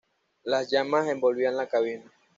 Las llamas envolvían la cabina.